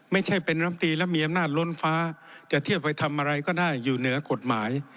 ไม่ใช่เป็นลำตีและมีอำนาจล้นฟ้าจะเทียบไปทำอะไรก็ได้อยู่เหนือกฎหมาย